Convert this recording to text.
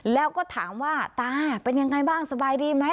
แล้วก็ถามว่าตาเป็นยังไงบ้างสบายดีไหม